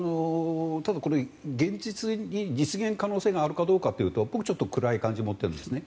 これは現実に実現可能性があるかどうかというと僕、ちょっと暗い感じを持っているんですね。